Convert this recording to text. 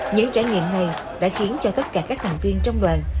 những trải nghiệm này đã khiến cho tất cả các thành viên trong đoàn